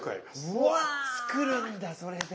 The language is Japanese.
うわ作るんだそれで。